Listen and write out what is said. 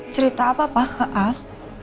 cerita apa pak ke al